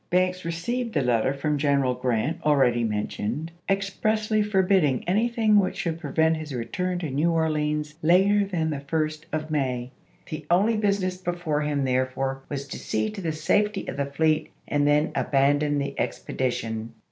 Banks received the letter from General Grant already mentioned, expressly forbidding anything which should pre vent his return to New Orleans later than the 1st of May. The only business before him therefore was to see to the safety of the fleet and then aban don the expedition.